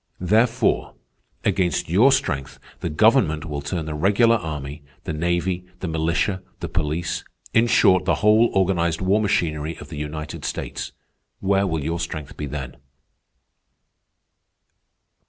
Therefore, against your strength the government will turn the regular army, the navy, the militia, the police—in short, the whole organized war machinery of the United States. Where will your strength be then?"